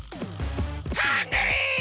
ハングリー！